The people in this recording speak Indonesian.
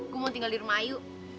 gue mau tinggal di rumah ayu